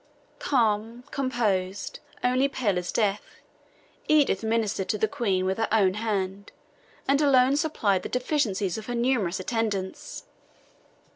Calm, composed, only pale as death, Edith ministered to the Queen with her own hand, and alone supplied the deficiencies of her numerous attendants.